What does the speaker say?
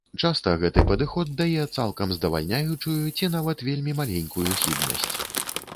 Часта гэты падыход дае цалкам здавальняючую ці нават вельмі маленькую хібнасць.